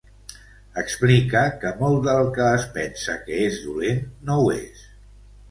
Explica que molt del que es pensa que és dolent, no ho és.